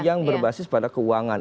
yang berbasis pada keuangan